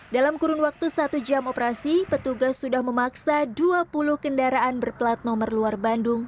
dalam kurun waktu satu jam operasi petugas sudah memaksa dua puluh kendaraan berplat nomor luar bandung